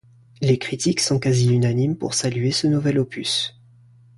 Les critiques sont quasi unanimes pour saluer ce nouvel opus.